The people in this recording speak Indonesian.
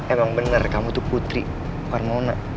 emang bener kamu tuh putri bukan mona